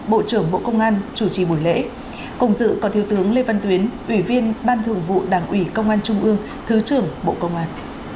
bộ trưởng bộ công an chủ trì buổi lễ cùng dự có thiếu tướng lê văn tuyến ủy viên ban thường vụ đảng ủy công an trung ương thứ trưởng bộ công an